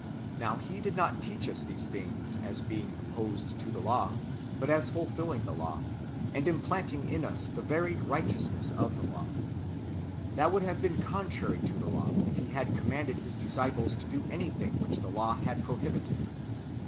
Now He did not teach us these thing's o as being opposed to the law, but as fulfilling the law, and implanting in us the varied righteousness of the law. That would have been contrary to the law, if He had commanded His disciples to do anything which the law had prohibited.